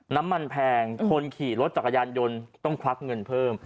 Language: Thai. แพงคนขี่รถจักรยานยนต์ต้องควักเงินเพิ่ม